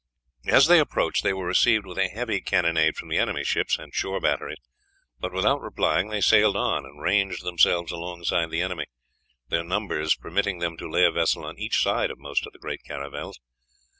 As they approached they were received with a heavy cannonade from the enemy's ships and shore batteries, but without replying they sailed on and ranged themselves alongside the enemy, their numbers permitting them to lay a vessel on each side of most of the great caravels.